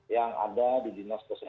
yang ada di